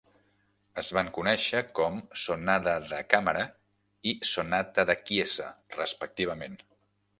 Es van conèixer com "sonada da camera" i "sonata da chiesa" respectivament.